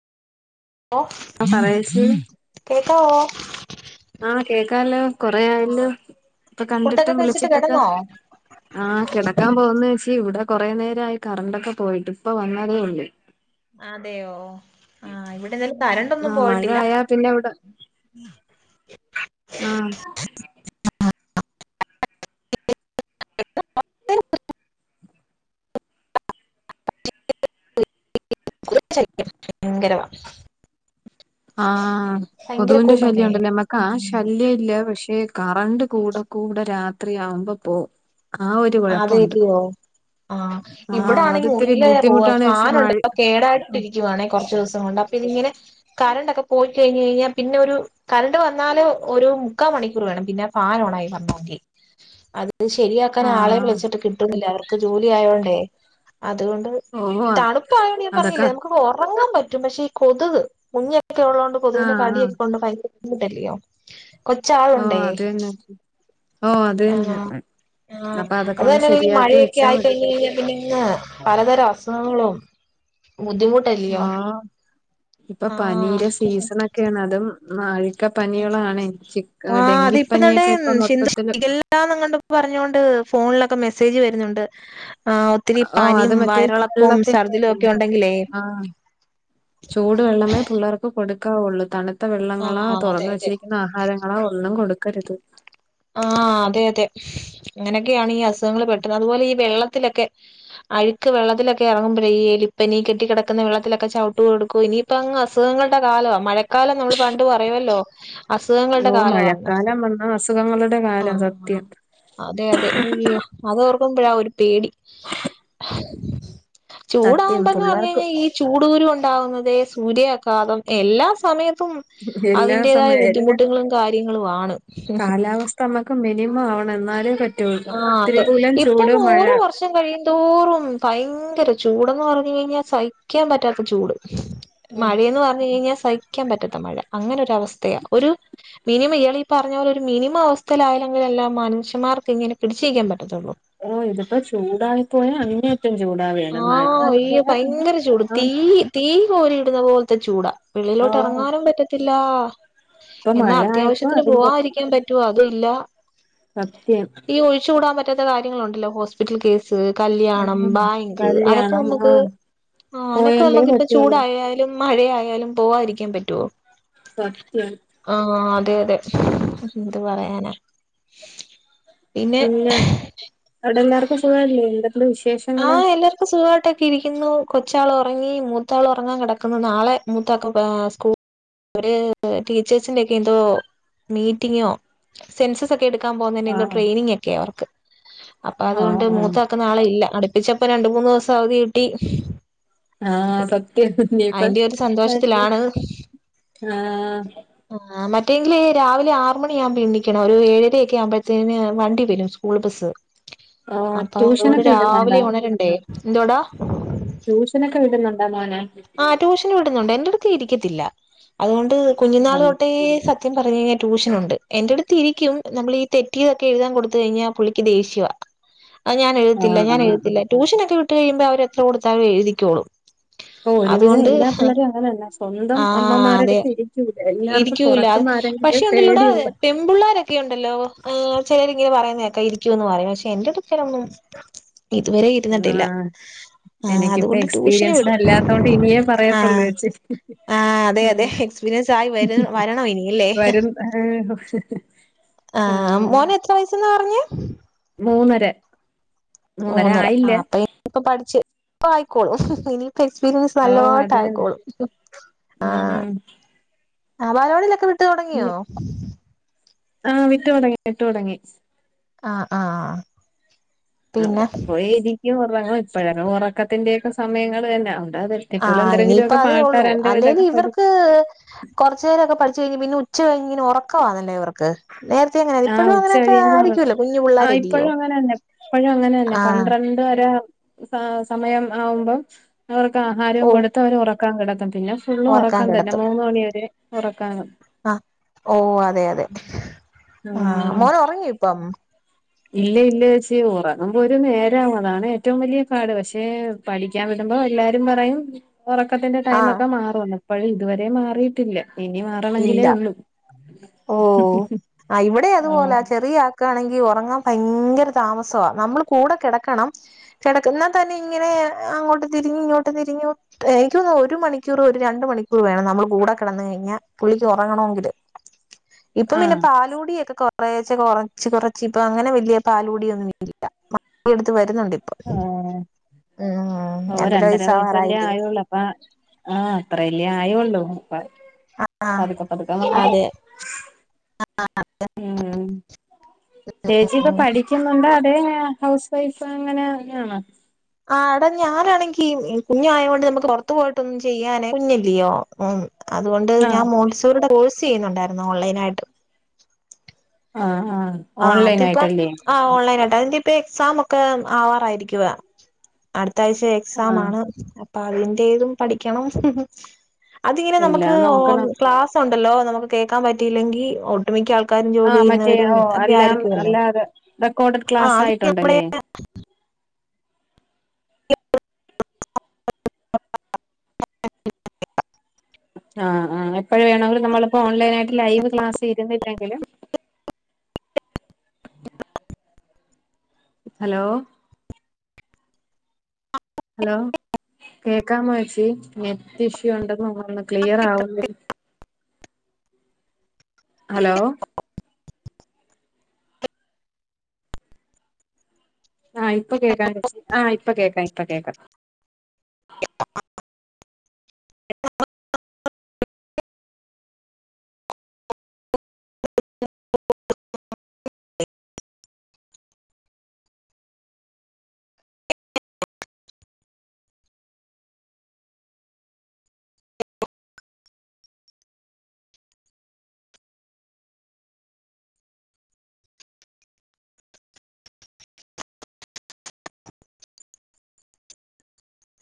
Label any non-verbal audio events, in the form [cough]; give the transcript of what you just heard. ലൊ ആ പറയേച്ചി കേക്കാവോ? ആഹ് കേക്കാല്ലോ. കൊറേ ആയല്ലോ ആഹ് ഇപ്പൊ ഫുഡൊക്കെ കണ്ടിട്ടും കഴിച്ചിട്ട് വിളിച്ചിട്ടൊക്ക. കിടന്നോ ആഹ് കിടക്കാൻ പോകുന്ന് ചേച്ചീ. ഇവിടെ കൊറേ നേരായി കറണ്ടൊക്കെ പോയിട്ട്. ഇപ്പ വന്നതെ ഉള്ളൂ. അതെയോ. ആഹ് ഇവിടെതാലും കരണ്ടൊന്നും ആഹ് മഴ പോയിട്ടില്ല ആയാ പിന്നെ ഇവിടെ [unintelligible] ആഹ് [unintelligible] ഭയങ്കരവാ. ആഹ് ഭയങ്കര കൊതുവിന്റെ ശല്യം കൊതുകാണേ ഉണ്ടല്ലേ നമ്മക്ക് ആ ശല്യ ഇല്ല. പക്ഷേ കറണ്ട് കൂടെ കൂടെ രാത്രി ആവുമ്പ പോവും. ആ ഒരു കുഴപ്പ ഉണ്ട്. അതെല്ലിയോ ആഹ് ഇവിടെ ആണെങ്കി മുറിയില റൂ ബുദ്ധിമുട്ടാണ് ചേച്ചി മഴ ഫാനുണ്ട്. ഇപ്പ കേടായിട്ടിരി ക്ക്യുവാണെ കുറച്ദിവസം കൊണ്ട്. അപ്പതിങ്ങനെ കറണ്ടൊക്കെ പോയി കഴിഞ് കഴിഞ്ഞാ പിന്നെ ഒരു കരണ്ട് വന്നാല് ഒരു മുക്കാ മണിക്കൂർ വേണം പിന്നാ ഫാൻ ഓണായി വരണോങ്കി. അത് ശരിയാക്കാൻ ആളെ ആഹ് വിളിച്ചിട്ട് കിട്ടുന്നില്ല. അവർക്ക് ജോലി ആയോണ്ടേ. അതുകൊണ്ട് ഓ തണുപ്പായോണ്ട് ഞാൻ അതൊക്കെ പറഞ്ഞില്ലേ നമ്ക് ഒറങ്ങാൻ പറ്റും. പക്ഷെ ഈ കൊതുക് കുഞ്ഞൊക്കെ ഉള്ളോണ്ട് കൊതുകിന്റെ ആഹ് ആഹ് കടിയൊക്കെ കൊണ്ട് ഭയ [unintelligible] ബുദ്ധിമുട്ടായ്ട്ടിരിക്യില്ല്യോ. ആഹ് കൊച്ചാളുണ്ടേ അത് തന്നെ ഓ അത് തന്നെ ആഹ് ആഹ് അപ്പൊ അതൊക്കെ അത് ഒന്ന് തന്നെയണെ ഈ ശരിയാക്കി മഴയൊക്കെ വെച്ചാ ആയി മതി കഴിഞ് കഴിഞ്ഞാ പിന്നെങ്ങ പല ത ര അസുഖങ്ങളും ബുദ്ധിമു ആഹ് ഇപ്പൊ ആഹ് പനീരെ സീസണ് ക്കേണ്. അതും അഴിക്കപ്പനികളാണെ. ചിക്കൻ ഡെങ്കിപ്പനിയൊക്കെ ഇപ്പം മൊത്തത്തില്, [unintelligible] പ്പ പറഞ്ഞൊണ്ട് ഫോണിലൊക്കെ മെസ്സേജ് വരുന്നുണ്ട് ആഹ് ത്തിരി ഓ അത് പനിയും മറ്റേ വയറിളക്കവും സർദിലും ഒക്കെ ഉണ്ടെങ്കിലേ ചൂടുവെള്ളമേ പിള്ളേർക്ക് കൊടുക്കാവുള്ളൂ തണുത്ത വെള്ളങ്ങളാ ആഹ് അതെ തുറന്ന അതെ വെച്ചിരിക്കുന്ന ആഹാര ങ്ങളോ ഒന്നും കൊടുക്കരുത് ആഹ് അതെ അതെ അങ്ങനെയൊക്കെയാണ് ഈ അസുഖങ്ങൾ പെട്ടുന്നത് അതുപോലെ ഈ വെള്ളത്തിലൊക്കെ അഴുക്ക് വെള്ളത്തിലൊക്കെ എറങ്ങ്മ്പയെ എലിപ്പനി കെട്ടിക്കെടക്ക്‌ന്ന വെള്ളത്തിലൊക്കെ ചവ്ട്ട് കൊടുക്കും ഇനി പ്പങ്ങ് അസുഖങ്ങളുടെ കാലവാ മഴക്കാലം നമ്മൾ പണ്ട് പറയുമല്ലോ അസുഖങ്ങളുടെ കാലവാന്ന് ആഹ് അസുഖങ്ങളുടെ കാലം സത്യം അതെ അതെ അയ്യോ അതോർക്കുമ്പോഴാ ഒരു പേടി ആ പിള്ളേർക്ക് ചൂടാവുമ്പന്നർഞ്ഴിഞ്ഞ ഈ ചൂടൂകുരു ഉണ്വുന്നതെ സൂര്യായാഘാതം എല്ലാ സമയത്തും എല്ലാ അതിന്റേതായ സമയം എല്ലാ ബുദ്ധിമുട്ടുകളും കാര്യങ്ങളും ആണ് പപ്പമ്മക്ക് മിനിമം ആവണെ എന്നാലേ പറ്റുള്ള തിരിപൂലം ചൂട് മഴ [unintelligible] കഴിയുംന്തോറും ഭയങ്കര ചൂടന്ന് പറഞ്ഞു കഴിഞ്ഞാ സഹിക്കാൻ പറ്റാത്ത ചൂട് ആഹ് മഴയന്ന് പറഞ്ഞു കഴിഞ്ഞാ സഹിക്കാൻ പറ്റത്ത മഴ അങ്ങനൊരവസ്ഥയാ ഒരു മിനിമം ഇയാൾ ഈ പറഞ്ഞ പോലെ ഒരു മിനിമം അവസ്ഥയിലായല്ലെങ്കിലല്ലാം മനുഷ്യമാർക്ക് ഇങ്ങനെ പിടിച്നിക്കാൻ പറ്റത്തുള്ളൂ ഓഹ് ഇതിപ്പോ ചൂടായി പോയ അങ്ങ റ്റും ചൂടാവേ ആഹ്. ഈ ഭയങ്കര ചൂട് തീയ് തീ കോരി ഇടുന്ന പോലത്തെ ചൂടാ വെളിയിലോട്ട് ആഹ് ഇറങ്ങാനും പറ്റത്തില്ലാ ഇപ്പൊ എന്നാ മഴ ആയപ്പോ അത്യാവശ്യത്തിന് അതിന്റെപ്പുറം പോവാതിരിക്കാൻ പറ്റുവൊ അതും ഇല്ല സത്യം ഈ ഒഴിച് കൂടാൻ പറ്റാത്ത കാര്യങ്ങളുണ്ടല്ലോ ഹോസ്പിറ്റൽ കേസ് കല്യാണം ഉം ബാങ്ക് ദ് അതൊക്കെ കല്യാണം നമുക്ക് ആഹ് ആ അയ്നൊക്കെ പോയല്ലേ നമുക്ക് പറ്റുള്ളൂ ചൂടായ് ടയാലും മഴയായാലും പോവാതിരിക്കാൻ പറ്റുവോ സത്യം ആഹ് അതെ അതെ എന്ത് പറയാനാ പിന്നെ അവിടെ എല്ലാർക്കും സുഖല്ലേ എന്തൊണ്ട് ആ വിശേഷങ്ങള് എല്ലാർക്കും സുഖമായിട്ടൊക്കെ ഇരിക്കുന്നു കൊച്ചാൾ ഉറങ്ങി മൂത്താൾ ഉറങ്ങാൻ കിടക്കുന്നു നാളെ മൂത്തക്ക്‌ സ്കൂ ഒര് ടീച്ചേഴ്സിന്റോക്കെ എന്തോ മീറ്റിങ്ങോ സെൻസസ് ഒക്കെ എടുക്കാൻ പോകുന്നതിന്റെ എന്തോ ആഹ് ട്രെനിങ് ഒക്കെ അവർക്ക് അപ്പൊ അതുകൊണ്ട് ആഹ് ആഹ് മൂത്ത ആക്ക്‌ നാളെ ഇല്ല അടുപ്പിച്ചപ്പോ രണ്ട മൂന്ന് ദിവസം അവധി കിട്ടി ആഹ് സത്യ ഇനിപ്പോ അയിന്റെ ഒരു സന്തോഷത്തിലാണ് ആഹ് ആഹ് മറ്റെങ്കില് രാവിലെ ആറ് മണി ആഉമ്പോ എണ്ണിക്കണം ഒരു ഏഴരയ ഒക്കെ ആവുമ്പഴത്തേന് വണ്ടി വരും സ്കൂൾ ബസ്സ് ഓ അപ്പൊ അതുകൊണ്ട് ട്യൂഷനൊക്കെ വിടുന്നുണ്ടോ രാവിലെ ഉണരണ്ടേ എന്തോടാ ട്യൂഷനൊക്കെ വിടുന്നുണ്ടാ മോനെ ആഹ് ട്യൂഷന് വിടുന്നുണ്ട് എന്റെടുത്ത് ഇരിക്കത്തില്ല അതുകൊണ്ട് കുഞ്ഞുനാള് ആഹ് തൊട്ടേ സ ത്യം പറഞ്ഞഴിഞ്ഞാ ട്യൂഷൻ ഉണ്ട് എന്റെറ അടുത്ത് ഇരിക്കും നമ്മൾ തറ്റിയതോക്കെ എഴുതാൻ കൊടുത് കഴിഞ്ഞാ പുള്ളിക്ക്‌ ദേഷ്യവാ അഹ് ഞാൻ എഴുത്തില്ല ആഹ് ഞാൻ ആഹ് എഴുത്തില്ല ട്യൂഷനക്കെ വിട്ട് കഴിയുമ്പോ അവരെത്ര കൊടുത്താലും എഴുതിക്കോളും ഇപ്പൊ ഒരുവിധം അതുകൊണ്ട് എല്ലാ പിള്ളരും അങ്ങനെന്നേ സ്വന്തം ആ അതെ അമ്മമാരുടുത്ത് ഇരിക്കില്ല എല്ലാവർക്കും ഇരിക്കൂല പുറത്തുന്ന് ആരോ പക്ഷെ ഉണ്ടല്ലോടാ [unintelligible] ഉംപ്ള്ളാരൊക്കെ ഉണ്ടല്ലോ ആഹ് ചിലരിങ്ങനെ പറയുന്നേക്ക ഇരിക്കുന്ന് പറയും പക്ഷെ എന്റെ ഇട്ത്തരൊന്നും ഇതുവരെ ഇരുന്നിട്ടില്ല ആഹ് ആഹ് അതുകൊണ്ട് ട്യൂഷന് വിടും പിനിയെ ആഹ് പറയത്തുള്ളേച്ചി ആഹ് അതെ ഉം അതെ എക്സ്പീരിയൻസ് ആയി വര വരണം ഇനിയല്ലേ വരും. ഏ [unintelligible] ആഹ് മോന് എത്ര വയസ്സെന്ന പറഞ്ഞെ. മൂന്നര മൂന്നര ആ അപ്പൊ ഇപ്പ പഠിച്ച ഇപ്പ ആയിക്കോളും ഇനി എക്സ്പീരിയൻസ് ഓഹ് നല്ലോങ്ങട്ട് അത് തന്നെ ആയിക്കോളും ആഹ്. ആ ബാലവാടിലൊക്കെ വിട്ടു തൊടങ്ങ്യാെ. ആഹ് വിട്ടു തൊടങ്ങി വിട്ടു തൊടങ്ങി. ആഹ് ആഹ് പിന്നെ അവിടെ പോയിരിക്കും ഒറങ്ങും. ഇപ്പഴന്നെ ഒറക്കത്തിന്റെക്കെ സമയങ്ങള് തന്നെ. എന്താ അത്. ആഹ് ഇനിയിപ്പ അതേ ഒള്ളൂ. അല്ലേലു ഇവർക്ക് കൊറ്ച്ചേരൊക്കെ പഠിച്ചു കഴിഞ് പിന്നെ ഉച്ച കഴിഞ് ഉറക്കാണല്ലേ. ഉറക്ക് ആഹ് ഉച്ചകഴിയുമ്പോ ഒറ്ക്ക്. കുഞ്ഞു ആ പിള്ളാരല്ലിയോ ഇപ്പോഴും അങ്ങനെ തന്നെ ഇപ്പഴും അങ്ങനെ തന്നെ ആഹ് പന്ത്രണ്ട് ഉച്ച വരെ സമയം ആവുമ്പം അവർക്ക് ആഹാരം ഓ കൊടു മൂത്തവരെ ഒറക്കാൻ കെടത്തും. പിന്നെ ഫുളളും ഓർക്കാൻ ഒറക്കം തന്നെ. കിടത്തും മൂന്ന് മണിവരെ ഒറക്കാൻ കെടത്തും. ആഹ് ഓ അതെ അതെ ആഹ് ഉം മോന് ഉറങ്ങി ഇപ്പം. ഇല്ല ഇല്ല ചേച്ച്യേ. ഉറങ്ങുമ്പം ഒരു നേരം. അതാണ് ഏറ്റവും വലിയ പാട് പക്ഷേ പഠിക്കാൻ വിടുമ്പൊ എല്ലാരും പറയും. ഒറക്കത്തിന്റെ ആഹ് ടൈമൊക്കെ മാറുംന്ന്. ഇപ്പഴും ഇതുവരെ മാറിയിട്ടില്ല ഇനി ഇല്ല മാറണെങ്കിലേ ഒള്ളൂ ഓ ആ ഇവിടെ അതുപോലെ ആഹ് ചെറിയ ക്കാണെങ്കി ഒറങ്ങാൻ ഭയങ്കര താമസവ. നമ്മൾ കൂടെ കെടക്കണം. കെടക്കും. ഇന്നാ തന്നെ ഇങ്ങനെ അങ്ങോട്ട് തിരിഞ്ഞും ഇങ്ങോട്ട് തിറിഞ്ഞും. എനിക്ക് തോന്ന്ന്ന് ഒരു മണിക്കൂർ ഒരു രണ്ട് മണിക്കൂർ വേണം നമ്മള് കൂടെ കെടന്ന കഴിഞാൽ. പുള്ളിക്ക് ഒറങ്ങണോങ്കില്. ഇപ്പം പിന്നെ ആഹ് പാലൂടിയക്കെ കുറേച്ചെ കൊറച്ച് കൊറച്ച് ഇപ്പം അങ്ങനെ വല്യ പാലുടിയൊന്നും ഇല്ല. മ എടുത്ത് വരുന്നുണ്ട് ഇപ്പോ ആഹാ ഓ രണ്ടര വയസ്സല്ലെ ആയൊള്ളു അ ആഹ് അത്രെല്ലേ ആയൊള്ളൂ അപ്പ ആഹ് പതുക്കെ പതുക്കെ മാറും അതെ ആഹ് ഉം ചേച്ചി ഉം ഇപ്പം പഠിക്കുന്നുണ്ടൊ. അതെ ഹൗസ് വൈഫ് അങ്ങനെ ആണോ. ആഹ് അട ഞാനാണെങ്കി കുഞ്ഞായോണ്ട് നമുക്ക് പൊറത്തു പോയിട്ടൊന്നും ചെയ്യാനേ കുഞ്ഞെല്യാെ. ഉം അതുകൊണ്ട് ഞാൻ ആഹ് മോണ്ടിസോറിയുടെ കോഴ്സ് ചെയ്യുന്നുണ്ടായിരുന്നു. ഓൺലൈനായിട്ട്. ആഹ് ആഹ് ആഹ് അത് ഓൺലൈൻ ഇപ്പം. ആയിട്ടല്ലേ ആ ഓൺലൈൻ ആയിട്ട അതിന്റെ ഇപ്പൊ എക്സാം ഒക്കെ ആവാറായിരിക്കുവ. അടുത്ത ആഴ്ച എക്സാം ആഹ് ആണ്. അതിന്റേതും പഠിക്കണം. അത് ഇങ്ങനെ നമുക്ക് എല്ലാം ഓ നോക്കണം [unintelligible] ക്ലാ സുണ്ടല്ലോ. നമുക് കേൾക്കാൻ പറ്റിങ്കിൽ ഒട്ടുമിക്ക ആൾക്കാരും ജോലി ആഹ് മറ്റേ ഓ ചെയ്യുന്നവരും ഒക്കെ എല്ലാം ആയിരിക്കുമല്ലോ അല്ലാതെ റെക്കോർഡഡ് ആ ക്ലാസ് അത് നമ്മുടെ ആയിട്ടുണ്ടല്ലേ. [unintelligible] ആഹ് ആഹ്. എപ്പഴ് വേണോങ്കിലും നമ്മളിപ്പോ ഓൺലൈൻ ആയിട്ട് ലൈവ് ക്ലാസ്സ് ഇരുന്നില്ലെങ്കിലും. Hello hello. കേക്കാമോച്ചി. നെറ്റ് ഇഷ്യൂ ഉണ്ടെന്ന് തോന്നുന്ന് ക്ലിയർ ആവുന്നി ഹലൊ. ആഹ് ഇപ്പൊ കേക്കാം ചേചി. ആഹ് ഇപ്പം കേക്കാ ഇപ്പൊ കേക്കാ. [unintelligible]